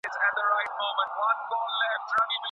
کله کله د طلاق واک بيله انابته هم انتقاليږي.